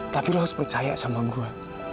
tapi lo harus percaya sama gua